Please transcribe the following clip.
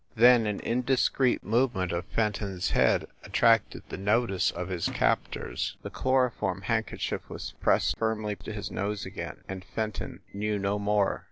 Then, an indiscreet movement of Fenton s head 52 FIND THE WOMAN attracted the notice of his captors. The chloroform handkerchief was pressed firmly to his nose again, and Fenton knew no more.